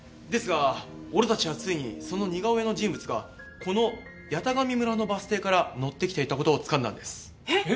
ですが俺たちはついにその似顔絵の人物がこの八咫神村のバス停から乗ってきていた事をつかんだんです。